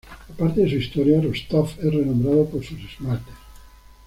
Aparte de su historia, Rostov es renombrado por sus esmaltes.